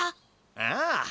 ああ！